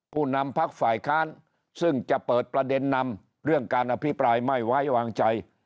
ผู้นำพักฝ่ายค้านซึ่งจะเปิดประเด็นนำเรื่องการอภิปรายไม่ไว้วางใจ